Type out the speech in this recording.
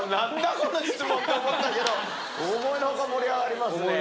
この質問って思ったけど思いの外盛り上がりますね。